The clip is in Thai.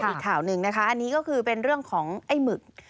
อีกข่าวหนึ่งนะคะอันนี้ก็คือเป็นเรื่องของไอ้หมึก